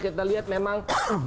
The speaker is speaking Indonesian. kita lihat memang